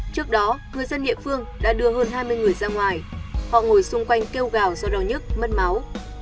trước đó người dân địa phương đã đưa hơn hai mươi người ra ngoài họ ngồi xung quanh kêu gào do đau nhức mất máu